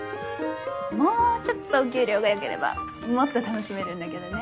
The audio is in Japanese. もうちょっとお給料が良ければもっと楽しめるんだけどね。